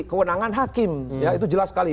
kewenangan hakim ya itu jelas sekali